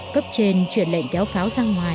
cấp trên chuyển lệnh kéo pháo ra ngoài